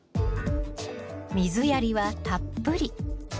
水やりはたっぷり。